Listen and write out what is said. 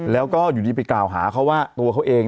แล้วก็อยู่ดีไปกล่าวหาเขาว่าตัวเขาเอง